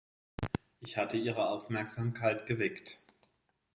Ich hatte ihre Aufmerksamkeit geweckt.